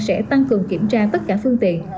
sẽ tăng cường kiểm tra tất cả phương tiện